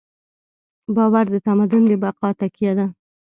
باور د تمدن د بقا تکیه ده.